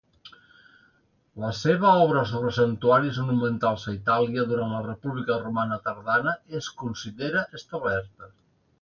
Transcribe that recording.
La seva obra sobre santuaris monumentals a Itàlia durant la República Romana tardana es considera establerta.